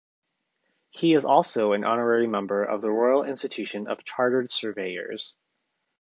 He is also an Honorary Member of the Royal Institution of Chartered Surveyors.